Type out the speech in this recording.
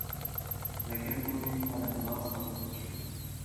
Լեգենդն ունի բարենպաստ ազդեցություն։